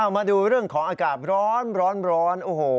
มาดูเรื่องของอากาศร้อนโอ้โห